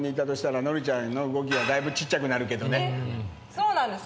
そうなんですか？